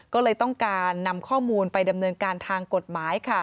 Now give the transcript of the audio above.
ก็เลยต้องการนำข้อมูลไปดำเนินการทางกฎหมาย